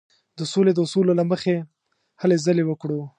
د سولې د اصولو له مخې هلې ځلې وکړو.